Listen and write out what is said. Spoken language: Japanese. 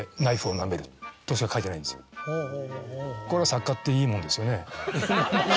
作家っていいもんですよね。